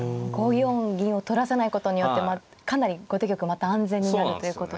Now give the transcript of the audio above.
５四銀を取らせないことによってかなり後手玉また安全になるということですね。